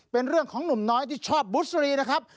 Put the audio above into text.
เป็นเรื่องของหนุ่มน้อยที่ชอบบุษรีนะครับ